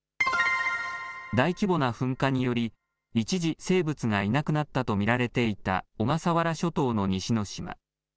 大規模な噴火により、一時、生物がいなくなったと見られていた小笠原諸島の西之島。